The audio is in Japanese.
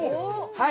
はい。